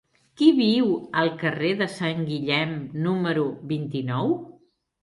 Qui viu al carrer de Sant Guillem número vint-i-nou?